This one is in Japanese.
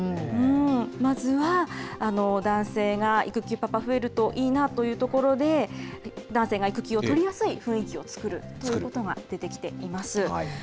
まずは、男性が育休パパ増えるといいなというところで、男性が育休を取りやすい雰囲気を作るということがいわれています。